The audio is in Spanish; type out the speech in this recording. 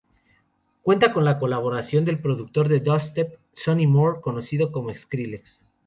Cuenta con la colaboración del productor de dubstep Sonny Moore, conocido como Skrillex.